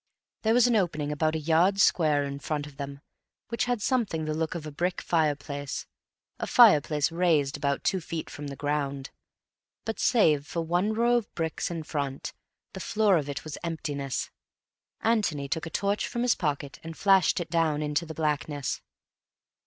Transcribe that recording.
There was an opening about a yard square in front of them, which had something the look of a brick fireplace, a fireplace raised about two feet from the ground. But, save for one row of bricks in front, the floor of it was emptiness. Antony took a torch from his pocket and flashed it down into the blackness.